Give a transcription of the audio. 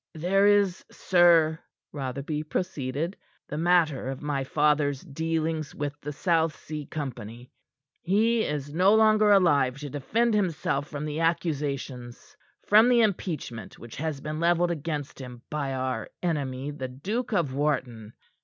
"There is, sir," Rotherby proceeded, "the matter of my father's dealings with the South Sea Company. He is no longer alive to defend himself from the accusations from the impeachment which has been levelled against him by our enemy, the Duke of Wharton.